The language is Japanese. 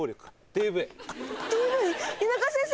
ＤＶＤＶ田舎先生